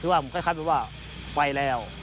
คือว่ามันคล้ายเป็นว่าไปแล้ว